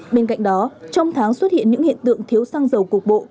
bên cạnh đó trong tháng xuất hiện những hiện tượng thiếu xăng dầu cục bộ